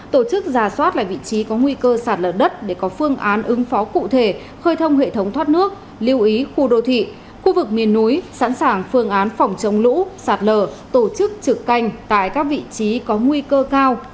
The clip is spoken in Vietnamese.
tổ chức ra soát lại vị trí có nguy cơ sạt lở đất để có phương án ứng phó cụ thể khơi thông hệ thống thoát nước lưu ý khu đô thị khu vực miền núi sẵn sàng phương án phòng trồng lũ sạt lở tổ chức trực canh tại các vị trí có nguy cơ cao khi mưa lớn xảy ra trên địa bàn